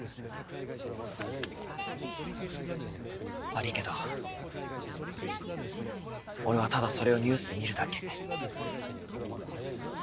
悪いけど俺はただそれをニュースで見るだけ。